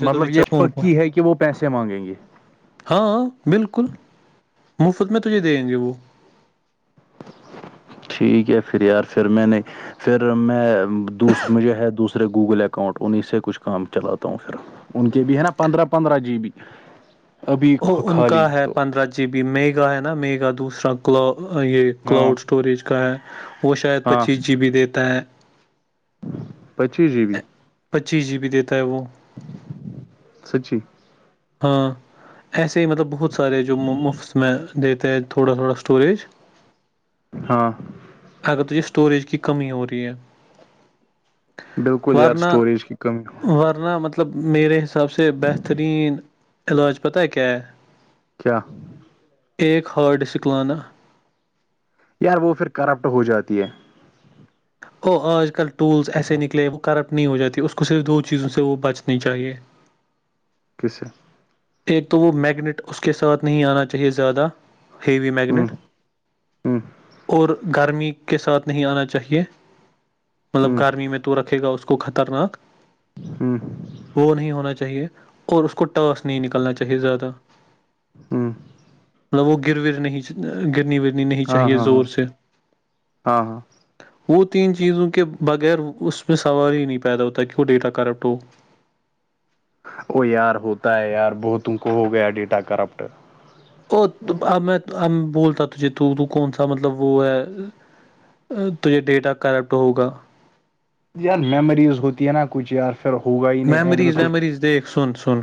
سے تو مطلب یہ ریچارج فون کو پکی ہے کہ وہ پیسے مانگیں گے ہاں بالکل مفت میں تجھے دیں گے وہ ٹھیک ہے پھر یار پھر میں نے پھر میں دوس مجھے ہے دوسر دورے گوگل اکاؤنٹ انہیں سے کچھ کام چلاتا ہوں پھر ان کے بھی ہے نا پندرہ پندرہ جی بی ابھی ا ان کا خالی ہے تو پندرہ جی بی میگا ہے نا میگا دوسرا ک یہ ہاں کلاؤڈ اسٹوریج کا ہے وہ شاید ہاں پچیس جی بی دیتا ہے پچیس جی بی پچیس جی بی دیتا ہے وہ سچی ہاں ایسے ہی مطلب بہت سارے جو مفت میں دیتے ہیں تھوڑا تھوڑا اسٹوریج ہاں اگر تجھے اسٹوریج کی کمی ہو رہی ہے بالکل یار ورنہ اسٹوریج کی کمی ورنہ مطلب مطلب میرے حساب سے بہترین علاج پتہ ہے کیا ہے کیا ایک ہارڈ ڈسک لانا یار وہ پھر کرپٹ ہو جاتی ہے ا آج کل ٹولس ایسے نکلے وہ کرپٹ نہیں ہو جاتی اس کو صرف دو چیزوں سے وہ بچنی چاہیے کیسے [inaudible] ایک تو وہ میگنیٹ اس کے ساتھ نہیں آنا چاہیے زیادہ ہیوی ہ میگنیٹ ہ اور گرمی کے ساتھ نہیں آنا چاہیے ہ مطلب ہ گرمی میں تو رکھے گا اس کو خطرناک ہوں وہ نہیں ہونا چاہیے اور اس کو ٹ نہیں نکلنا چاہیے زیادہ مطلب وہ گرر نہیں گرنی ورنی نہیں ہاں چاہیے ہاں زور ہاں سے ہاں ہاں وہ تین چیزوں کے بغیر اس میں سوال ہی نہیں پیدا ہوتا کہ وہ ڈیٹا کرپٹ ہو وہ یار ہوتا ہے یار بہتم کو ہو گیا ڈیٹا کرپٹ او اب میں اب بولتا تجھے تو تو کون سا مطلب وہ ہے توجھے ڈیٹا کریکٹ ہوگا یار میمورز ہوتی ہے نا کچھ یار پر ہوگا ہی نہیں اینڈ میں میمریز کچھ ویمریز دیکھ سن سن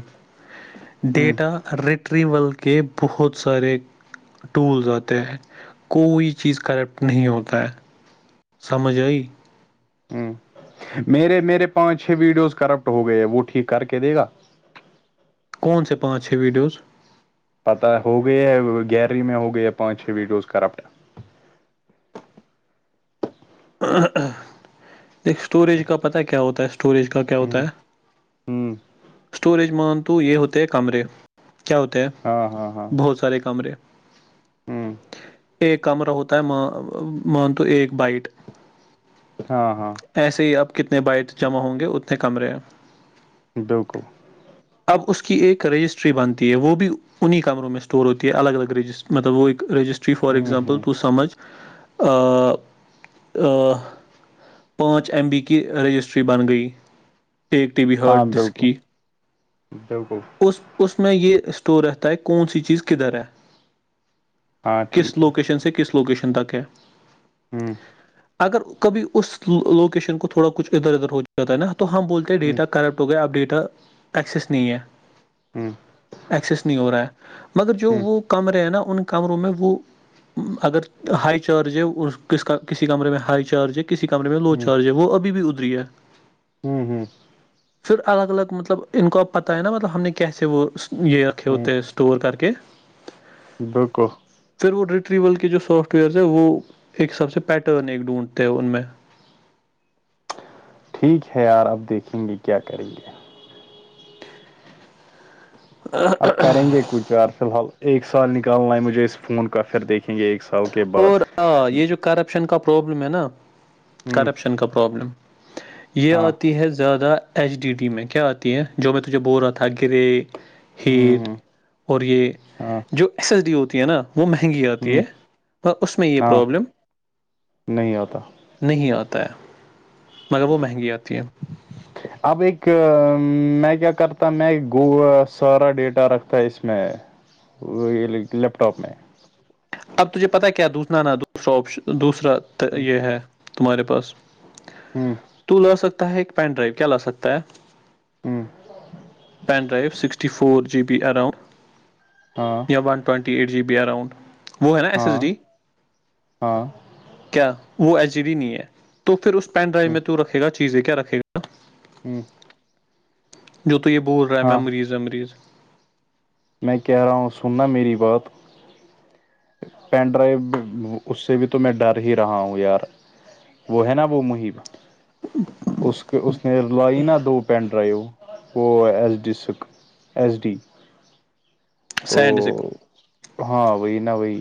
ہ ڈیٹا ریٹریول کے بہت سارے ٹولز آتے ہیں کوئی چیز کرپٹ نہیں ہوتا ہے سمجھ آئی ہ میرے میرے پانچ چھ ویڈیوز کرپٹ ہو گئے ہے وہ ٹھیک کر کے دے گا کون سے پانچ چھ ویڈیوز پتا ہو گئی ہے گیلری میں ہو گئی ہے پانچ چھ ویڈیوز کرپٹ دیک اسٹوریج کا پتہ کیا ہوتا ہے اسٹوریج کا کیا ہوتا ہے ہوں اسٹوریج مان تو یہ ہوتے ہے کمرے کیا ہوتے ہاں ہاں ہاں ہے بہت سارے کمرے ہ ایک کمرہ ہوتا ہے مان تو ایک بائٹ ہاں ہاں ایسے ہی اپ کتنے بائٹ جمع ہوں گے اتنے کمرے ہیں بالکل اب اس کی ایک رجسٹری بنتی ہے وہ بھی اننی کموں میں سٹور ہوتی ہے الگ الگجس مطلب وہٮ ایک رجسٹ فار ہ ایگزامپل ہ توو سمجھ آ پانچ ایم بی کی رجسٹری بن گئی ایک ٹی وی ہاں بالکل بالکل اس اس میں یہ اسٹور رہتا ہے کون سی چیز کدھر ہے ہاں کس ٹھیک ہے لوکیشن سے کس لوکیشن تک ہے ہ اگر کبھی اس لوکیشن کو تھوڑا کچھ ادھر ادھر ہو جاتا ہے نا تو ہم بولتے ہیں ہ ہ ڈیٹا کریکٹ تو گے اپ ڈیٹا اسسیس نییا ہوں ایکسس نہیں ہو رہا ہے مگر جو ہ وہ کمرے ہیں نا ان کمروں میں وہ اگر ہائی چارج ہے اس کس کسی کمرے میں ہائی چارج ہے کسی کمرے میں لو چارج ہے وہ ابھی بھی ادھری ہے ہوں ہوں پھر الگ الگ مطلب ان کو اب پتہ ہے نا مطلب ہم نے کیسے وہ یہ پکھھیتے اسٹور کر کے بالکل پھر وہ ریٹریول کے جو سافٹ ویئر تھ وہ ایک سب سے پیٹرن ایک ڈھونڈتے ہیں ان میں ٹھیک ہے یار اب دیکھیں گے کیا کریں گے ہ اب کریں گے کچھ یار فی الحال ایک سال نکالنا ہے مجھے اس فون کا پھر دیکھ دیکھیں گے ایک سال کے بعد اور ہاں، یہ جو کرپشن کا پرابلم ہے نا ہوں کرپشن کا پرابلم یہ ہاں آتی ہے زیادہ ایچ ڈی ڈی میں کیا آتی ہیں جو میں تجھے بول رہا تھا گرے ہوں ہیٹ ہوں اور یہ ہاں ہ جو ایس ایس ڈی ہوتی ہے نا وہ مہنگی آتی ہے اس میں یہ ہاں پرابلم نہیں آتا نہیں آتا ہے مگر وہ مہنگی آتی ہے [unintelligible] اب ایک میں کیا کرتا میں گ سارا ڈیٹا رکھتا ہے اس میں وہ یہ لیپ ٹاپ میں اب تجھے پتا کیا دوسنا نا دوسرا آپشن دوسرا یہ ہے تمہارے پاس ہ تو لا سکتا ہے ایک پین ڈرائیو کیا لا سکتا ہے ہوں pen drive sixty four G B around ہاں یہ one twenty eight G B around وہ ہے نا ایس ایس ہاں ڈی ہاں کیا وہ ایس جی ڈی نہیں ہے تو پھر اس میں پین ہ ڈرائیو میں تو رکھ گا چیزیں کیا رکھ گا ہوں جو تو یہ بول رہا ہے ہاں میمریز ویمریز میں کہہ رہا ہوں سننا میری بات پین ڈرائیو بھی اس سے بھی تو میں ڈر ہی رہا ہوں یار وہ ہے نا وہ محیب اس کے اس نے لائی نا دو پین ڈرائیو وہ ایس ڈی سک ایس ڈی تو سائین ڈسک ہاں وہی نہا وہی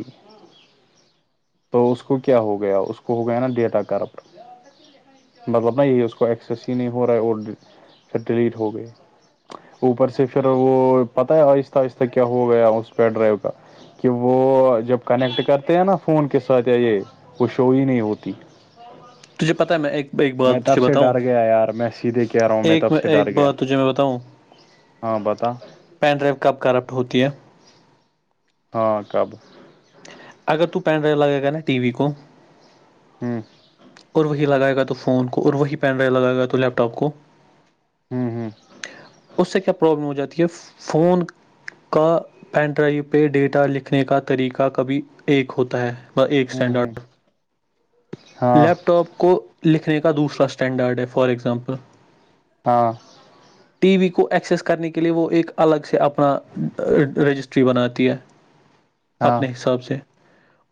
تو اس کو کیا ہو گیا اس کو ہو گیا نا ڈیٹا کرپٹ مطلب نہ یہ اس کو ایکسیس ہی نہیں ہو رہا ہے اور پھر ڈیلیٹ ہو گئی اوپر سے پھر وہ پتاہ ہے آہستہ آہستہ کیا ہو گیا اس پیڈ ڈرائی کا کہ وہ جب کنیکٹ کرتے ہیں نا فون کے ساتھ یہ وہ شو ہی نہیں ہوتی تجھے پتا ہے میں ایک ایک بات میں تب تجھے سے بتاؤں ڈر گیا یار میں سیدھے کہہ رہا ہوں میں ایک تب سے ایک ڈر گیا بات تجھے میں بتاؤں ہاں بتاؤ پین ڈرائیو کب کرپٹ ہوتی ہے ہاں کب اگر تو پین ڈائیو لگا کر ن ٹی وی کو ہوں اور وہی لگائے گ تو فون کو اور وہی پین ڈرائیو لگائے گا تو لیپ ٹاپ کو ہوں ہوں اس سے کیا پرابلم ہو جاتی ہے فون کا پین ڈرائیو پہ ڈیٹا لکھنے کا طریقہ کبھی ایک ہوتا ہے ایک ہوں اسٹینڈرڈ ہوں ہاں لیپ ٹاپ کو لکھنے کا دوسرا اسٹینڈرڈ ہے فار اگزامپل ہاں ٹی وی کو ایکسس کرنے کے لیئے وہ ایک الگ سے اپنا رجسٹری بناتی ہے [inaudible] اپنے حساب سے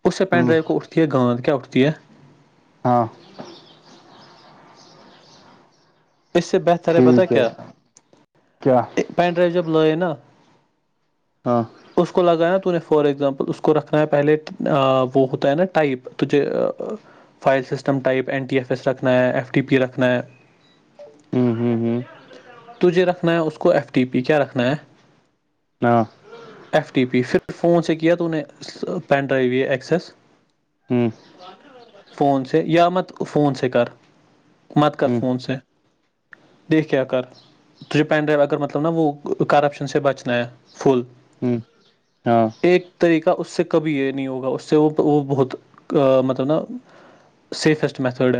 اس سے پین ہوں ڈرائیو کو اٹھتی ہے گاند کیا اٹھتی ہے ہاں اس سے بہتر ٹھیک پتا ہے کیا کیا پین ڈرائیو جب لئے نا ہاں اس کو لگانا تو نے فار ایگزامپل اس کو رکھنا ہے پہلے وہ ہوتا ہے نا ٹائپ تجھے file system type N T F S رکھنا ہے ایف ٹی پی رکھنا ہے ہاں ہوں ہوں توجھے رکھنا ہے اس کو ایف ٹی پی کیا رکھنا ہے ہاں ایف ٹی پی پھر فون سے کیا تو نے پین ڈرائیو یہ ایکسس ہوں فون س سے یا مت فون س کر مت کر ہوں فون س سے دیک کیا کر ٹرپ اینڈ ڈرائیو اگر مطلب نا وہ کرپشن سے بچنا ہے فل ہوں ہاں ایک طریقہ اس سے کبھی یہ نہیں ہوگا اس سے وہ وہ بہت مطلب نا سیفسٹ میتھڈ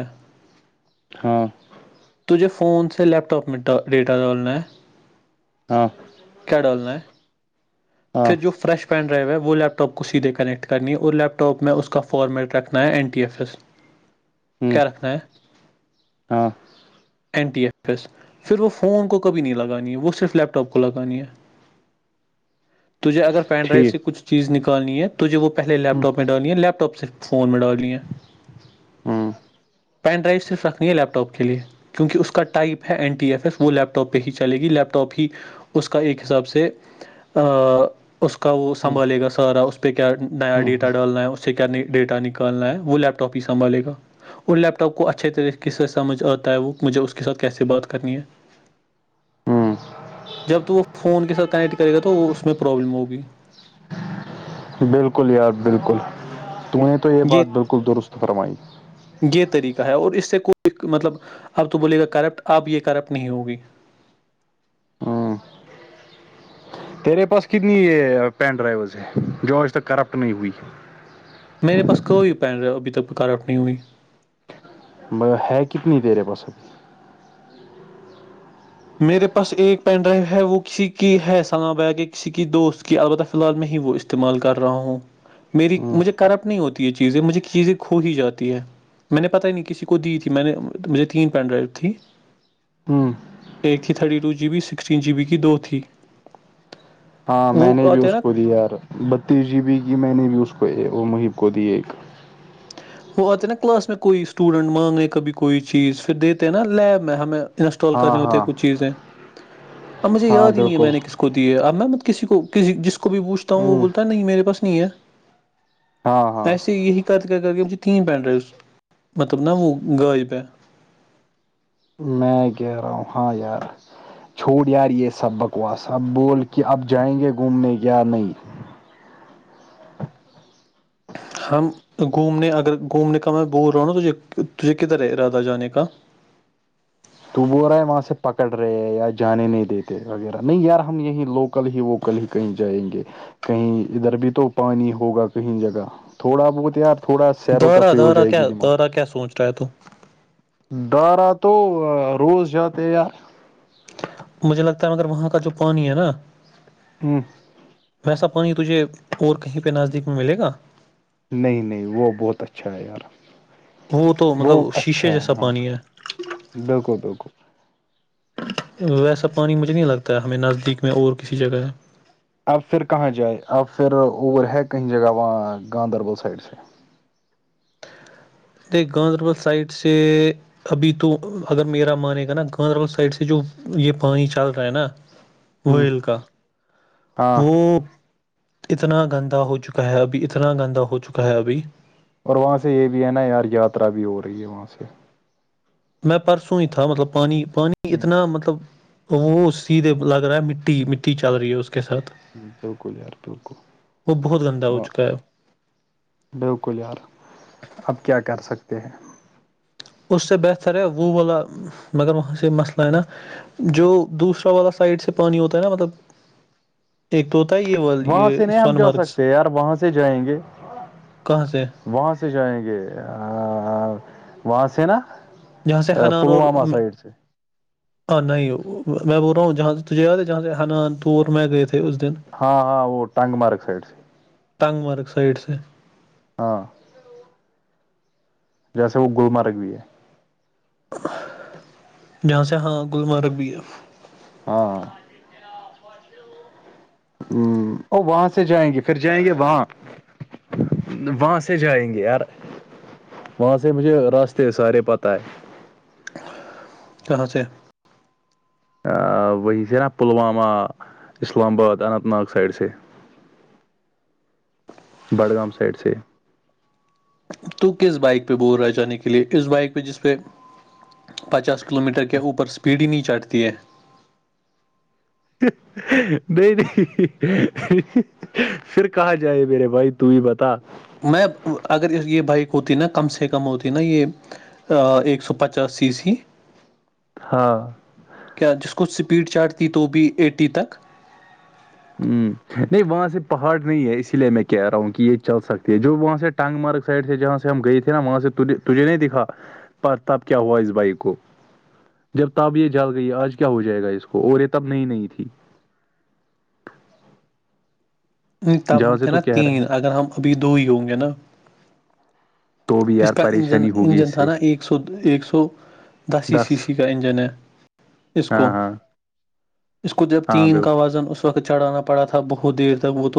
ہاں تجھے فون سے لیپٹاپ میں ڈیٹا ڈالنا ہے ہاں کیا ڈولالنا ہے ہاں پھر جو فریش پین ڈرائیو ہے وہ لیپ ٹاپ کو سیدھے کنیکٹ کرنی ہے اور لیپ ٹاپ میں اس کا فارمیٹ رکھنا ہے این ٹی ایف ایس [inaudible] کیا رکھنا ہے ہاں این ٹی ایف ایس پھر وہ فون کو کبھی نہیں لگانی ہے وہ صرف لیپ ٹاپ کو لگانی ہے تجھے اگر پین ڈرائیو ٹھیک سے کچھ چیز نکالنی ہے تجھے وہ پہل لیپ ہوں ٹاپ میں ڈنی ہے لیپ ٹاپ سےر فون میں ڈال لیے ہاں پین ڈرائیو صرف رکھنی ہے لی ٹاپ کے لیے کیونکہ اس کا ٹائپ ہے این ٹی ایف ایس وہ لیپ ٹاپ پہ ہی چلے گی لیپ ٹاپ ہی اس کا ایک حساب سے اس کا وہ ہوں سنبھالے گا سارا اس پہ کیا نیا ہوں ڈیٹا ڈالنا ہے سے کیا نہیں ڈیٹا نکالنا ہے وہ لیپٹاپ ہی سنبھالے گا اور لیپ ٹاپ کو اچھے طریقے سے سمجھ آتا ہے وہ مجھے اس کے ساتھ کیسے بات کرنی ہے [inaudible] جب تو وہ فون کے ساتھ کنیکٹ کرے گا تو اس میں پروابلم ہوگی بالکل یار بالکل تو نے تو یہ بات بالکل درست فرمائی یہ طریقہ ہے اور اس سے کوئی مطلب اب تو بولے گا کرپٹ اب یہ کرپٹ نہیں ہوگی ہوں تیرے پاس کتنی پین ڈرائیز ہے جو آج تک کرپٹ نہیں ہوئی میرے پاس کوئی پین رہا ابھی تک کروٹ نہیں ہوئی ہے کتنی دیر ہے بس اب میرے پاس ایک پین ڈرائیو ہے وہ کسی کی ہے سال بگ کسی کی دوست کی البتہ فی الحال میں ہی وہ استعمال کر رہا ہوں میری ابھی مجھے کرپٹ نہیں ہوتی یہ چیزیں مجھے چیزیں کھو ہی جاتی ہے میں نے پتاہ ہی نہیں کسی کو دی تھی میں نے مجھے تین پین ڈرائیو تھی ہوں ایک تھی thirty two G B sixteen G B کی دو تھی ہاں میں وہ نے بھی آتے ہیں اس نا کو دیا یار بتیس جی بی کی میں نے بھی اس کو وہ مہب کو دی ایک وہ آتے ہیں نا کلاس میں کوئی اسٹوڈینٹ مانگنے کبھی کوئی چیز پھر دیتے ہیں نا لیب میں ہمیں انسٹال ہاں کرنے ہوتے ہاں کچھ چیزیں اب مجھے ہاں یاد ہی نہیں ہے بالکل میں نے کس کو دی اب میں کسی کو کسی جس کو بھی پوچھتا ہوں وہ ہ بولتا ہے نہیں میرے پاس نہیں ہے ہاں ہاں ایسے یہی کات کیا کر کے تین پینینٹڈرز مطلب ن وہ گو پ میں گہ رہاوں ہاں یار چھوڑ یار یہ سب بکواس اب بول کہ اب جائیں گے گھومنے یا نہیں ہم گھومنے اگر گھومنے کا میں بول رہا ہوں نا تھے تجھے کدھر ہے ارادہ جانے کا تو وہ رہا ہے وہاں سے پکڑ رہے یا جانے نہیں دیتے وغیرہ نہیں یار ہم یہیں لوکل ہی وہ کل ہی کہیں جائیں گے کہیں ادھر بھی تو پانی ہوگا کہیں جگہ تھوڑا بہتیار درا دہرہ کیا دہرہ کیا سوچ رہا ہے تو دارا تو روز جاتے مجھے لگتا ہے مگر وہاں کا جو پانی ہے نا ہوں ویسا پانی تجھے اور کہیں پہ نزدیک میں ملے گا نہیں نہیں وہ بہت اچھا ہے یار تو وہ مطلب اچھا شیشے ہے جیسا ہاں پانی ہے بالکل بالکل ویسا پانی مجھے نہیں لگتا ہے ہمیں نزدیک میں اور کسی جگہ ہے اب پھر کہاں جائ اب پھر اور ہے کہیں جگہ وہاں گاندربل سائڈ سے نہیں گاندربل سائڈ سے ابھی تو اگر میرا مانے گا نا گاندربل سائڈ سے جو یہ پانی چل رہا ہے نا [inaudible] ویل کا ہاں وہ اتنا گندا ہو چکا ہے ابھی اتنا گندا ہو چکا ہے ابھی اور وہاں سے یہ بھی ہے نا یار یاترا بھی ہو رہی ہے وہاں سے میں پرسوں ہی تھا مطلب پانی پانی ہ اتنا مطلب وہ سیدھے لگ رہا ہے مٹی مٹی چل رہی ہے اس کے ساتھ ج بالکل یار بالکل وہ بہت گندا ہو واہ چکا ہے بالکل یار اب کیا کر سکتے ہیں اس سے بہتر ہے وہ بولا مگر وہاں سے مسئلہ ہے نا جو دوسرا والا سائڈ سے پانی ہوتا ہے نا مطلب ایک تو ہے یہ وال وہاں یہ سے نہیں ہم سون جا مرگس سکتے یار وہاں سے جائیں گے کہاں سے وہاں سے جائیں گے وہاں سے نا جہاں سے ا پلوما سائڈ سے ہاں نہیں وہ میں بول رہا ہوں جہاں سے تجھے یاد ہے جہاں سے حنان ور میں گئے تھے اس دن ہاں ہاں وہ ٹنگ مارگ سائڈ سے نگ مرگ سائڈ سے سے ہاں جیسے وہ گلمرگ بھی ہے جہاں سے ہاں گلمرگ بھی ہے ہاں ہ اور وہاں سے جائیں گے پھر جائیں گے وہاں وہاں سے جائیں گے یار وہاں سے مجھے راستے سارے پت ہے ااں سا وہی سے نا Pulwama Islamabad Anantnag side سے بڑگام سائڈ سے تو کس بائک پہ بول رہا جانے کے لے اس بائک پہ جس پہ پچاس کلو میٹر کے اوپر اسپیڈ ہی نہیں چٹتی ہے نہیں نہیں پھر کہاں جائے میرے بھائی تو ہی بتا میں اگر یہ بائک ہوتی نا کم سے کم ہوتی نا یہ ایک سو پچا سیس ہاں کیا جس کو اسپیڈ چارٹ تھی تو بھی اےٹی تک ہ نہیں وہاں سے پہاڑ نہیں ہے اسی لیے میں کہہ رہا ہوں کہ یہ چل سکتی ہے جو وہاں سے ٹانگ مارگ سائڈ تھے جہاں سے ہم گئے تھے نا وہاں سے تجھے نہیں دکھا [unintelligible] پ تب کیا ہوا اس بائک کو [unintelligible] جب تب یہ جل گئی آج کیا ہو جائے گا اس کو اور یہ تب نئی نئی تھی [unintelligible] نہیں تب جہاں ہم سے تھے تو نا کہہ رہا ہے تین اگر ہم ابھی دو ہی ہوں گے نا [unintelligible] تو بھی اس یار کا انجن پریشانی ہوگی اس انجن تھا سے نا ایک سو ایک سو دس ای سی سی کا انجن ہے اس ہاں کو ہاں اس کو جب ہاں تین بالکل کا وزن اس وقت چڑھانا پڑا تھا بہت دیر تک وہ تو